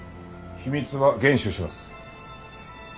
秘密は厳守します。